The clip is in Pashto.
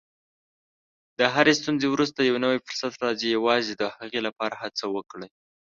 د هرې ستونزې وروسته یو نوی فرصت راځي، یوازې د هغې لپاره هڅه وکړئ.